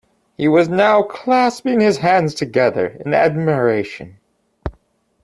He was now clasping his hands together in admiration.